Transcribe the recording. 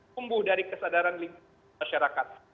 tumbuh dari kesadaran masyarakat